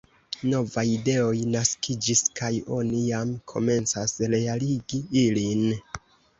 Novaj ideoj naskiĝis kaj oni jam komencas realigi ilin.